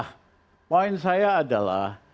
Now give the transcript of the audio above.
nah poin saya adalah